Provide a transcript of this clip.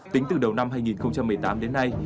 tính từ đầu năm hai nghìn một mươi tám đến nay